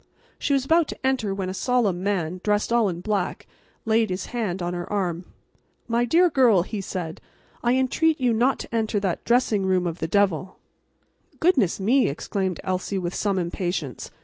She was about to enter, when a solemn man, dressed all in black, laid his hand on her arm. "My dear girl," he said, "I entreat you not to enter that dressing room of the devil." "Goodness me!" exclaimed Elsie, with some impatience.